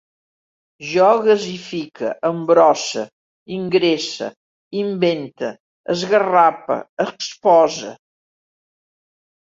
Jo gasifique, embrosse, ingresse, invente, esgarrape, expose